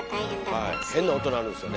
変な音鳴るんすよね。